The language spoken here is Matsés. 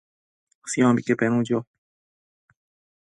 Siombique penu cho